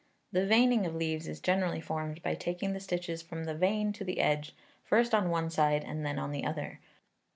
The veining of leaves is generally formed by taking the stitches from the vein to the edge, first on one side and then on the other.